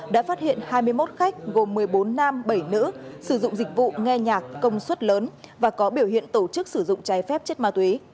đã phát hiện hai mươi một khách gồm một mươi bốn nam bảy nữ sử dụng dịch vụ nghe nhạc công suất lớn và có biểu hiện tổ chức sử dụng trái phép chất ma túy